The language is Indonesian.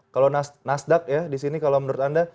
kalau nasdaq ya di sini kalau menurut anda